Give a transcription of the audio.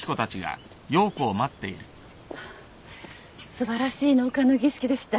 素晴らしい納棺の儀式でした。